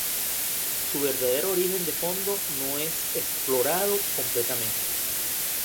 Su verdadero origen de fondo no es explorado completamente.